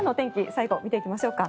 最後、見ていきましょうか。